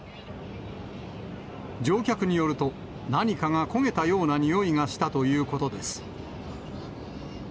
乗客によると、何かが焦げたような臭いがしたということです。